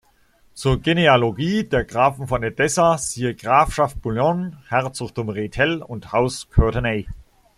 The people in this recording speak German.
Zur Genealogie der Grafen von Edessa siehe Grafschaft Boulogne, Herzogtum Rethel und Haus Courtenay